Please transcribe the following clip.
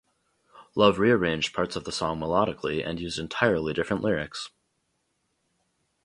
Love re-arranged parts of the song melodically and used entirely different lyrics.